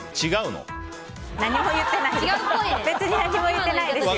何も言ってないですよ。